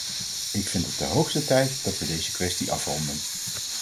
Ik vind het de hoogste tijd dat we deze kwestie afronden.